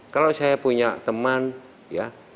kalau saya punya teman ya